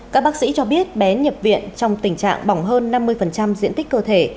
các bác sĩ cho biết bé nhập viện trong tình trạng bỏng hơn năm mươi diện tích cơ thể